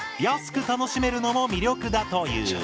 安く楽しめるのも魅力だという。